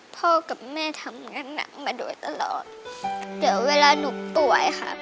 พ่อกับแม่ทำงานหนักมาโดยตลอดเดี๋ยวเวลาหนูป่วยค่ะ